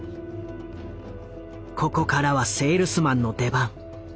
ここからはセールスマンの出番。